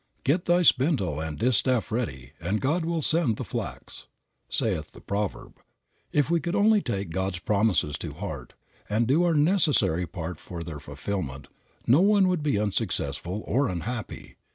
"Get thy spindle and distaff ready, and God will send the flax," saith the proverb. If we would only take God's promises to heart, and do our necessary part for their fulfillment no one would be unsuccessful or unhappy.